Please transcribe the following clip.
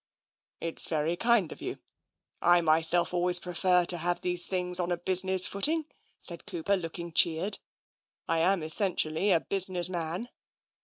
" It's very kind of you. I myself always prefer to have these things on a business footing," said Cooper, looking cheered. " I am essentially a business man."